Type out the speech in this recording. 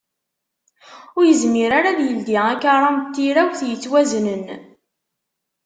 Ur yezmir ara ad d-yeldi akaram n tirawt yettwaznen.